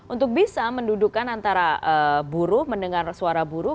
untuk bisa mendudukan antara buruh mendengar suara buruh